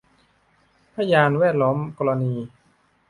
พยานแวดล้อมกรณี